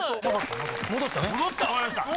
戻ったね。